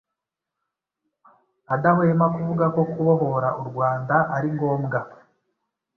adahwema kuvuga ko “kubohora u Rwanda ari ngombwa”.